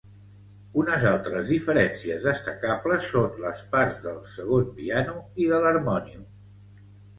Unes altres diferències destacables són les parts del segon piano i de l'harmònium.